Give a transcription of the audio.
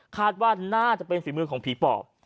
คาดว่าน่าจะเป็นฝีมือของผีปอบ